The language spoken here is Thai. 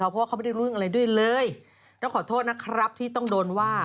เพราะว่าเขาไม่ได้รู้เรื่องอะไรด้วยเลยต้องขอโทษนะครับที่ต้องโดนว่า